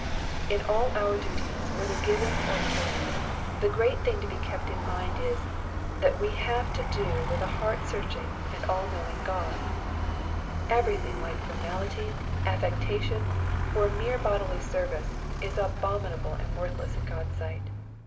In all our duties, whether giving, or praying, the great thing to be kept in mind is, thai we have to do with a heart^searching and aJMcnowing Ood, Everything like formality, affectation, or mere bodily service, is abominable and worthless in God's sight.